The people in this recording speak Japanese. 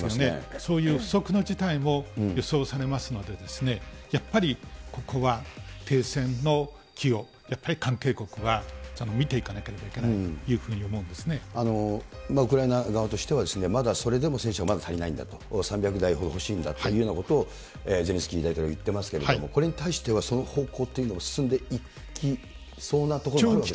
そういう不測の事態も予想されますので、やっぱり、ここは停戦の機をやっぱり関係国は見ていかなければいけないといウクライナ側としては、まだそれでも戦車は足りないんだと、３００台ほど欲しいんだということをゼレンスキー大統領はいってますけれども、これに対しては、その方向というのも進んでいきそうなところはあるんですか。